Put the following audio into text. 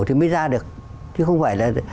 thì mới ra được chứ không phải là